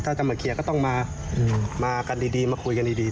ถ้าจะมาเคลียร์ก็ต้องมามากันดีมาคุยกันดี